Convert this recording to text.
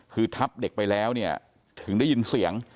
คือทับเด็กไปแล้วเนี่ยถึงได้ยินเสียง